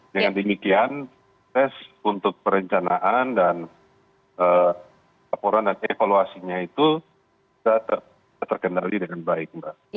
dengan demikian tes untuk perencanaan dan laporan dan evaluasinya itu bisa terkendali dengan baik mbak